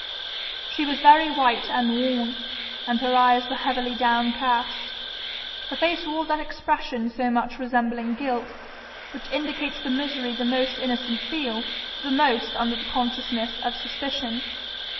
She was very white and worn, and her eyes were heavily downcast. Her face wore that expression so much resembling guilt, which indicates the misery the most innocent feel the most under the consciousness of suspicion.